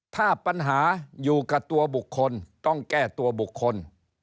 ถ้าปัญหาอยู่กับตัวบุคคลต้องแก้ตัวบุคคล